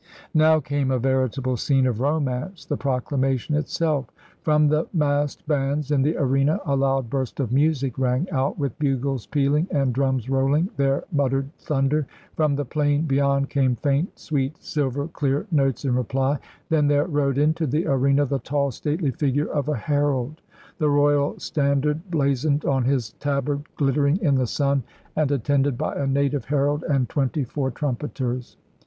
Now came a veritable scene of romance, the Procla mation itself. From the massed bands in the arena a loud burst of music rang out, with bugles pealing and drums rolling their muttered thunder. From the plain beyond came faint, sweet, silver clear notes in reply; then there rode into the arena the tall, stately figure of a herald, the Royal Standard blazoned on his tabard glit tering in the sun, and attended by a native herald and twenty four trumpeters.